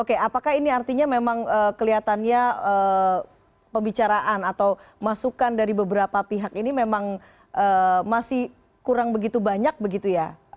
oke apakah ini artinya memang kelihatannya pembicaraan atau masukan dari beberapa pihak ini memang masih kurang begitu banyak begitu ya